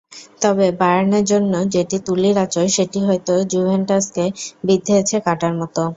তবে বায়ার্নের জন্য যেটি তুলির আঁচড়, সেটি হয়তো জুভেন্টাসকে বিঁধেছে কাঁটার মতো।